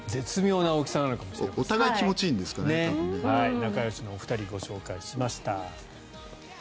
仲よしのお二人ご紹介しました。